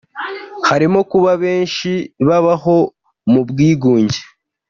harimo kuba benshi babaho mu bwigunge